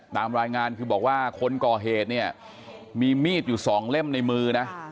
ตามรายงานคือบอกว่าคนก่อเหตุเนี่ยมีมีดอยู่สองเล่มในมือนะ